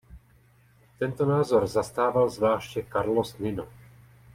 Tento názor zastával zvláště Carlos Nino.